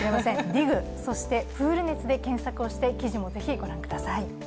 ＤＩＧ、「プール熱」で検索して、記事もぜひ、ご覧ください。